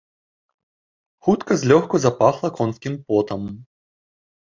Хутка злёгку запахла конскім потам.